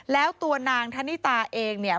แล้วตัวนางธนิตาเองเนี่ย